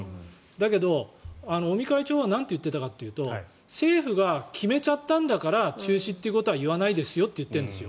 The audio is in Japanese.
だけど、尾身会長はなんと言っていたかというと政府が決めちゃったんだから中止ということは言わないんだとおっしゃっているんですよ。